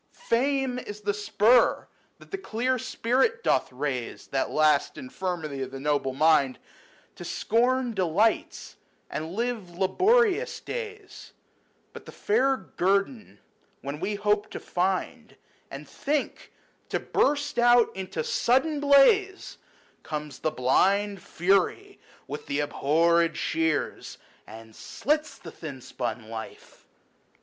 Fame is the spur that the clear spirit doth raise 70 (That last infirmity of noble mind) To scorn delights and live laborious days ; But the fair guerdon when we hope to find, And think to burst out into sudden blaze, Comes the blind Fury with the abhorred shears. And slits the thin spun life.